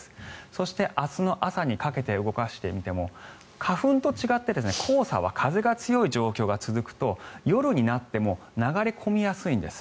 そして、明日の朝にかけて動かしてみても花粉と違って黄砂は風が強い状況が続くと夜になっても流れ込みやすいんです。